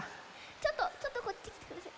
ちょっとちょっとこっちきてください。